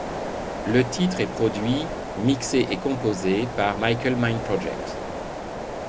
Le titre est produit, mxié et composé par Michael Mind Project.